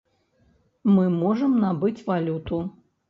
Мы можам набыць валюту.